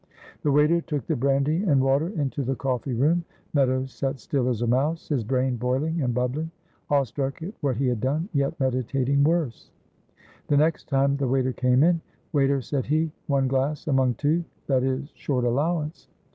The waiter took the brandy and water into the coffee room. Meadows sat still as a mouse, his brain boiling and bubbling awestruck at what he had done, yet meditating worse. The next time the waiter came in, "Waiter," said he, "one glass among two, that is short allowance."